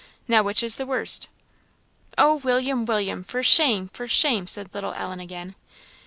Now which is the worst?" "Oh, William! William! for shame! for shame!" said little Ellen again.